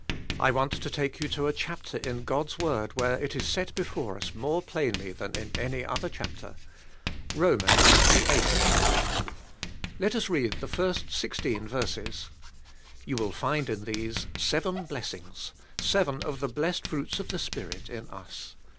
I want to take you to a chapter in God's word where it is set before us more plainly than in any other chapter. Romans, the eig"hth chapter. Let us read the first sixteen verses. You will find in these seven blessings, seven of the blessed fruits of the Spirit in us.